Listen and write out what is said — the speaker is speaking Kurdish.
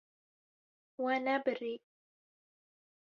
We nebirî.